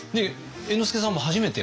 猿之助さんも初めてこちらに。